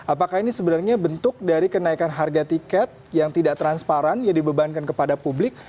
apakah ini sebenarnya bentuk dari kenaikan harga tiket yang tidak transparan yang dibebankan kepada publik